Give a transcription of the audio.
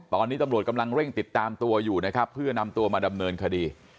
ตอนนี้ตำรวจกำลังเร่งติดตามตัวอยู่นะครับเพื่อนำตัวมาดำเนินคดี